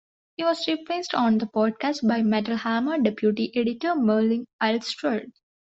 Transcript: He was replaced on the Podcast by Metal Hammer Deputy Editor Merlin Alderslade.